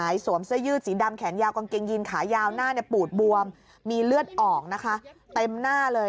ยิงยินขายาวหน้าปูดบวมมีเลือดออกนะคะเต็มหน้าเลย